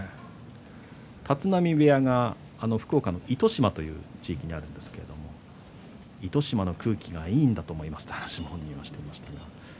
立浪部屋が福岡の糸島という地域にありますが糸島の空気がいいんだと思いますという話をしていました。